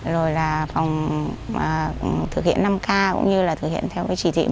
rồi là phòng thực hiện năm k cũng như là thực hiện theo cái chỉ trị một mươi sáu